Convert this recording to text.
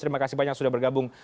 terima kasih banyak sudah bergabung